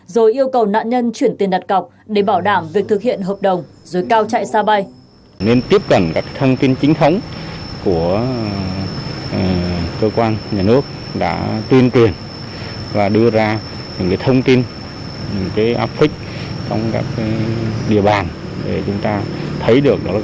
rồi yêu cầu nạn nhân chuyển tiền đặt cọc để bảo đảm việc thực hiện hợp đồng rồi cao chạy xa bay